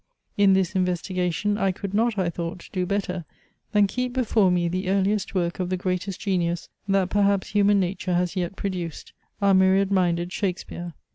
In this investigation, I could not, I thought, do better, than keep before me the earliest work of the greatest genius, that perhaps human nature has yet produced, our myriad minded Shakespeare.